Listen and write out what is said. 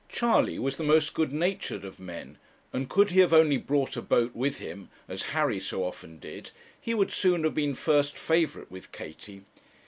Charley was the most good natured of men, and could he have only brought a boat with him, as Harry so often did, he would soon have been first favourite with Katie.